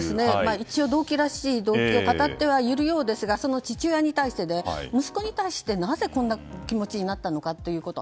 一応、動機らしい動機を語ってはいるようですがその父親に対してで息子に対してなぜこんな気持ちになったのかということ。